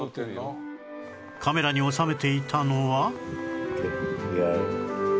カメラに収めていたのは